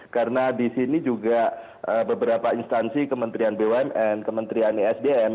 karena di sini juga beberapa instansi kementerian bumn kementerian isdm